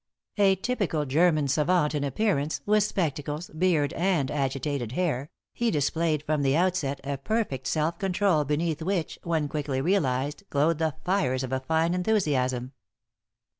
A typical German savant in appearance, with spectacles, beard and agitated hair, he displayed from the outset a perfect self control beneath which, one quickly realized, glowed the fires of a fine enthusiasm.